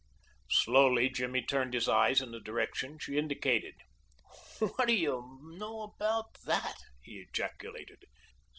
Slowly Jimmy turned his eyes in the direction she indicated. "What do you know about that?" he ejaculated.